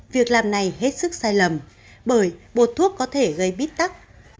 việc làm này hết sức sai lầm bởi bột thuốc có thể gây bít tắc